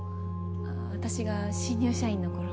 あぁ私が新入社員の頃。